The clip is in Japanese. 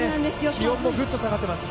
気温もグッと下がっています。